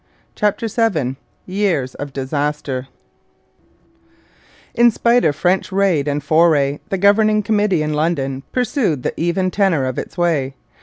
CHAPTER VII YEARS OF DISASTER In spite of French raid and foray, the Governing Committee in London pursued the even tenor of its way.